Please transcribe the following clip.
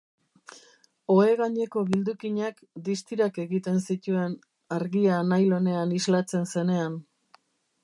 Ohe gaineko bildukinak distirak egiten zituen argia nylonean islatzen zenean.